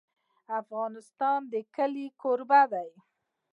افغانستان د کلي کوربه دی.